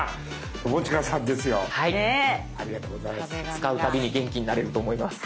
使うたびに元気になれると思います。